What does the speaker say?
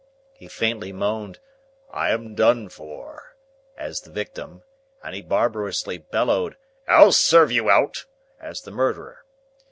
He faintly moaned, "I am done for," as the victim, and he barbarously bellowed, "I'll serve you out," as the murderer.